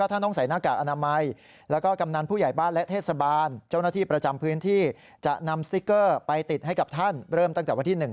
อันนี้คือปิดเมือง